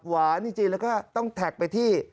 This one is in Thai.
หวานจริงแล้วก็ต้องแท็กไปที่